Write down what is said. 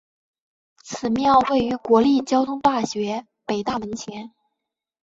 此庙位于国立交通大学北大门前。